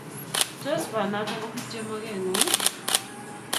Tos banato ko kityo magengung?